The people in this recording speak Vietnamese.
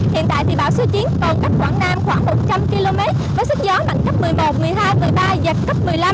hiện tại thì bão số chín còn cách quảng nam khoảng một trăm linh km với sức gió mạnh cấp một mươi một một mươi hai một mươi ba giật cấp một mươi năm